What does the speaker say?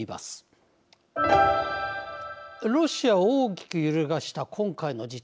ロシアを大きく揺るがした今回の事態。